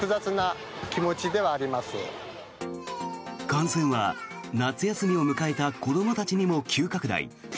感染は夏休みを迎えた子どもたちにも急拡大。